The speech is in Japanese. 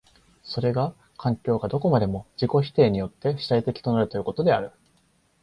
それが環境がどこまでも自己否定によって主体的となるということである。